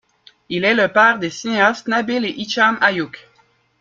Il est le père des cinéastes Nabil et Hicham Ayouch.